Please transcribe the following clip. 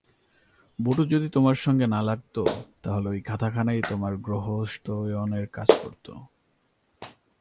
বটু যদি তোমার সঙ্গে না লাগত তাহলে ওই খাতাখানাই তোমার গ্রহস্বস্ত্যয়নের কাজ করত।